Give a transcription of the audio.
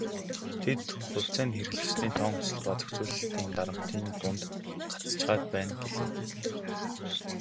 Тэд "хувьцаа нь хэрэглэгчдийн тоон өсөлт ба зохицуулалтын дарамтын дунд гацчихаад байна" гэлээ.